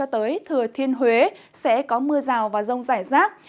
tới thừa thiên huế sẽ có mưa rào và rông rải rác